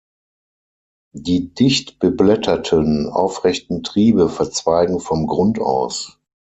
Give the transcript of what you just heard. Die dicht beblätterten, aufrechten Triebe verzweigen vom Grund aus.